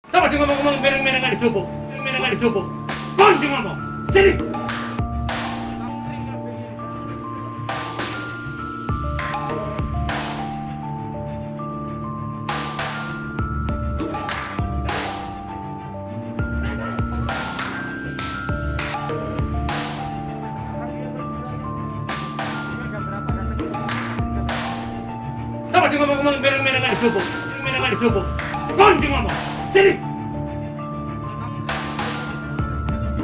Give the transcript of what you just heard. sabah siang mama kumohon merenggari choco